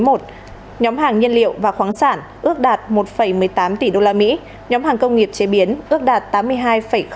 nhóm hàng nhiên liệu và khoáng sản ước đạt một một mươi tám tỷ usd nhóm hàng công nghiệp chế biến ước đạt tám mươi hai hai tỷ usd